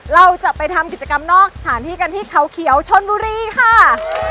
เราจะไปทำกิจกรรมนอกสถานที่กันที่เขาเขียวชนบุรีค่ะ